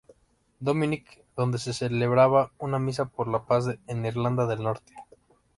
Dominic donde se celebraba una misa por la paz en Irlanda del Norte.